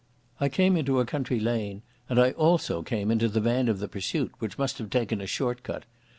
I came into a country lane, and I also came into the van of the pursuit, which must have taken a short cut.